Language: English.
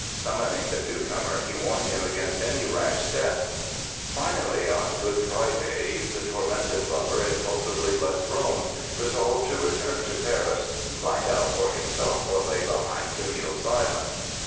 Summoning the newcomer he warned him against any rash step. Finally, on Good Friday the tormented lover impulsively left Rome, resolved to return to Paris and find out for himself what lay behind Camille's silence.